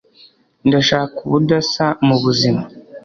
ndashaka ubudasa mubuzima